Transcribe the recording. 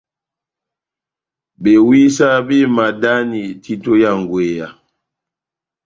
Bewisa béhimadani títo ya ngweya.